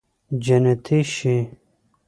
جنتي شې